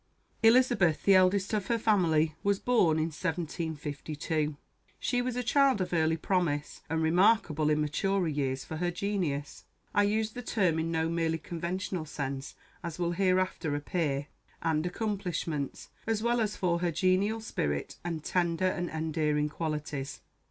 Elizabeth, the eldest of her family, was born in 1752. She was a child of early promise, and remarkable in maturer years for her genius (I use the term in no merely conventional sense, as will hereafter appear) and accomplishments, as well as for her genial spirit and tender and endearing qualities.